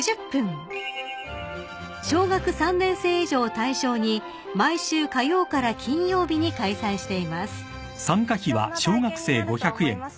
［小学３年生以上を対象に毎週火曜から金曜日に開催しています］